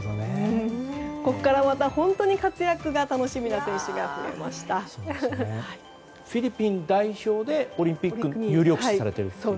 ここから、また本当に活躍が楽しみな選手がフィリピン代表でオリンピックに有力視されていると。